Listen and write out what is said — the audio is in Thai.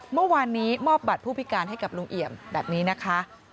เมื่อวานนี้มอบบัตรผู้พิการให้กับลุงเอี่ยมแบบนี้นะคะ